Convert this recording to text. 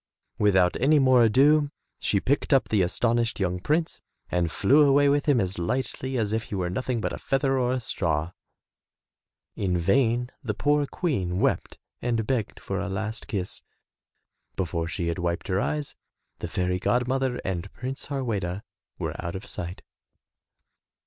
Without any more ado she picked up the aston ished young prince and flew away with him as lightly as if he were nothing but a feather or a straw. In vain the poor Queen wept and begged for a last kiss. Before she had wiped her eyes, the fairy god mother and Prince Harweda were out of sight.